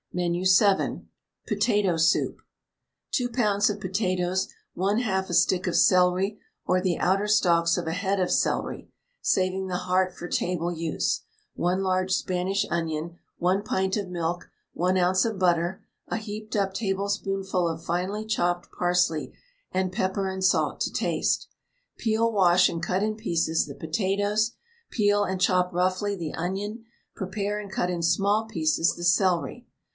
MENU VII. POTATO SOUP. 2 lbs. of potatoes, 1/2 a stick of celery or the outer stalks of a head of celery, saving the heart for table use, 1 large Spanish onion, 1 pint of milk, 1 oz. of butter, a heaped up tablespoonful of finely chopped Parsley, and pepper and salt to taste. Peel, wash, and cut in pieces the potatoes, peel and chop roughly the onion, prepare and cut in small pieces the celery.